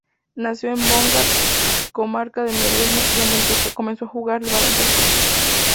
Nació en Montgat, Comarca del Maresme, donde comenzó a jugar al baloncesto.